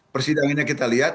persidangannya kita lihat